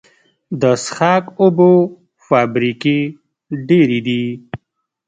د څښاک اوبو فابریکې ډیرې دي